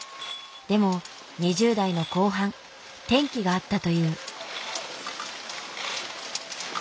でも２０代の後半転機があったという。